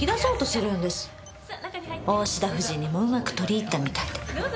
大信田夫人にもうまく取り入ったみたいで。